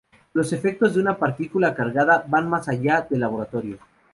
Los efectos de una partícula cargada van más allá del laboratorio.